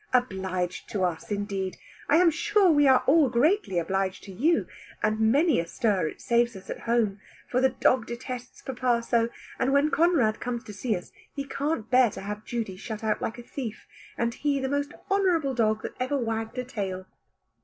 Obliged to us indeed! I am sure we are all greatly obliged to you; and many a stir it saves us at home, for the dog detests papa so; and when Conrad comes to see us, he can't bear to have Judy shut out like a thief, and he the most honourable dog that ever wagged a tail."